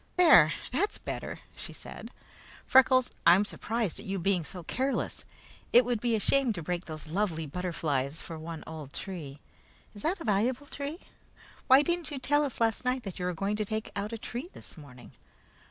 "There! That's better," she said. "Freckles, I'm surprised at your being so careless. It would be a shame to break those lovely butterflies for one old tree! Is that a valuable tree? Why didn't you tell us last night you were going to take out a tree this morning?